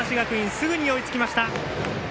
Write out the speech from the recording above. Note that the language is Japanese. すぐに追いつきました。